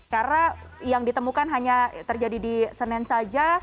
karena yang ditemukan hanya terjadi di senin saja